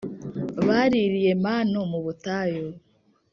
Baririye manu mu butayu